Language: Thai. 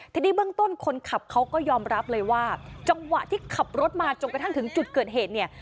ทีนี้เบื้องต้นคนขับเขาก็ยอมรับเลยว่าจังหวะที่ขับรถมาจนกระทั่งถึงจุดเกิดเหตุเนี่ย